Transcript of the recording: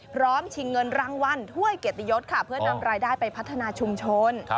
ชิงเงินรางวัลถ้วยเกียรติยศค่ะเพื่อนำรายได้ไปพัฒนาชุมชน